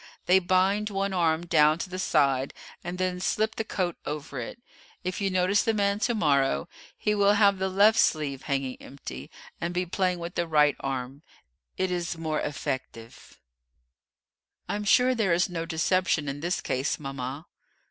They bind one arm down to the side, and then slip the coat over it. If you notice the man to morrow he will have the left sleeve hanging empty, and be playing with the right arm it is more effective." "I'm sure there is no deception in this case, mama."